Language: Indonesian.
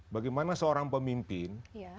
bagaimana seorang pemimpin